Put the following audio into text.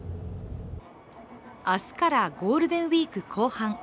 明日からゴールデンウイーク後半。